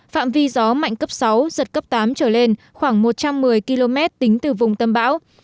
phạm vi gió mạnh cấp sáu giật cấp tám trở lên khoảng một trăm một mươi km tính từ vùng tâm bão